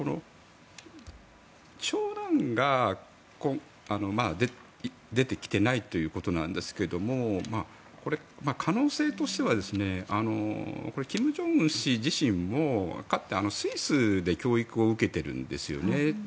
長男が出てきていないということなんですがこれ、可能性としては金正恩氏自身もかつて、スイスで教育を受けているんですよね。